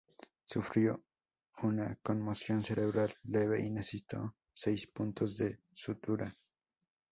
Sufrió una conmoción cerebral leve y necesitó seis puntos de sutura.